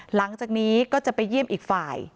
หลังจากนี้ก็จะไปเยี่ยมอีกฝ่าย